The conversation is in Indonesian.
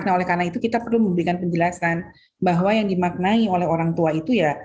nah oleh karena itu kita perlu memberikan penjelasan bahwa yang dimaknai oleh orang tua itu ya